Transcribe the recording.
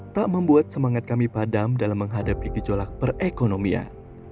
tak membuat semangat kami padam dalam menghadapi gejolak perekonomian